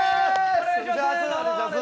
お願いします。